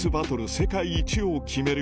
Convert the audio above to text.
世界一を決める